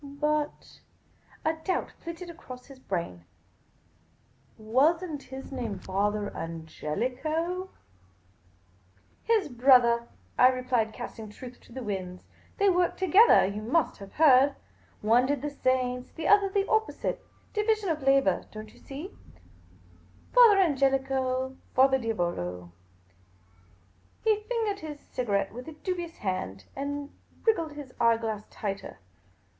But —" a doubt flitted across his brain —" was n't his name Fra AngeHco ?"" His brother," I replied, casting truth to the winds. " They worked together, j'ou must have heard. One did the saints ; the other did the opposite. Division of labour, don't you see ; Fra Angelico, Fra Diavolo." He fingered his cigarette with a dubious hand, and wrig gled his eye glass tighter.